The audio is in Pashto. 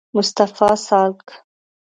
مصطفی سالک